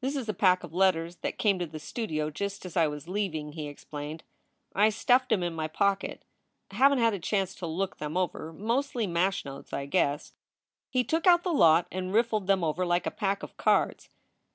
"This is a pack of letters that came to the studio just as I was leaving," he explained. "I stuffed em in my pocket. Haven t had a chance to look them over. Mostly mash notes, I guess." He took out the lot and riffled them over like a pack of cards.